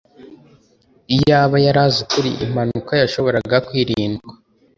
iyaba yari azi ukuri, impanuka yashoboraga kwirindwa